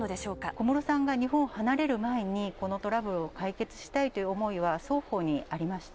小室さんが日本を離れる前に、このトラブルを解決したいという思いは双方にありました。